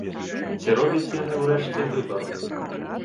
Ці робяць яны ўрэшце выбар?